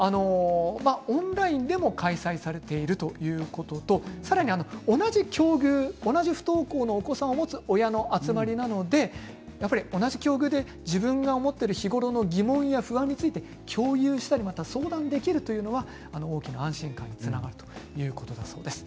オンラインでも開催されているということと同じ境遇、同じ不登校のお子さんを持つ親の集まりなので自分が日頃持っている疑問や不安について、共有や相談ができるというのが安心感につながるということです。